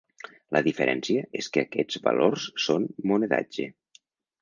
La diferència és que aquests valors són monedatge.